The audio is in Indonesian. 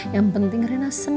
tunggu tunggu tunggu